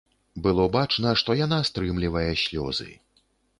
Было бачна, што яна стрымлівае слёзы.